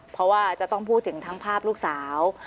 เพราะว่าจะต้องพูดถึงทั้งภาพลูกสาว